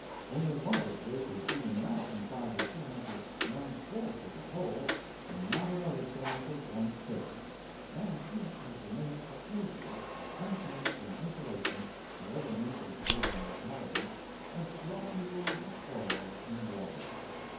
Only one of its races even now comprises so much as one fourth of the whole, and not another so much as one sixth; and each has remained for ages as unchanged in isolation, however mingled together in locality, as globules of oil in water.